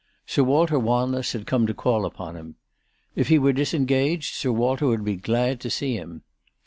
Sir Walter Wanless had come to call upon him. If he were disengaged Sir Walter would be glad to see him.